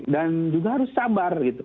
dan juga harus sabar